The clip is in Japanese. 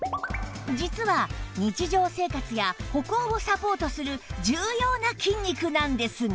実は日常生活や歩行をサポートする重要な筋肉なんですが